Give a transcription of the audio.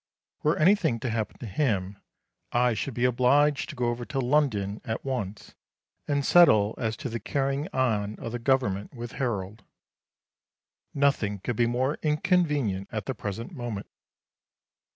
Were anything to happen to him, I should be obliged to go over to London at once and settle as to the carrying on of the Government with Harold. Nothing could be more inconvenient at the present moment.